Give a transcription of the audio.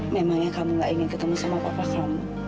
memangnya kamu nggak ingin ketemu sama papa kamu